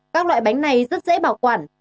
các loại bánh này rất dễ bảo quản